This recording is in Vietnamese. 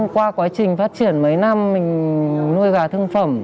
qua quá trình phát triển mấy năm mình nuôi gà thương phẩm